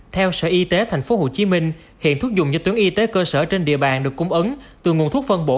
theo sở y tế tp hcm hiện thuốc dùng cho tuyến y tế cơ sở trên địa bàn được cung ứng từ nguồn thuốc phân bổ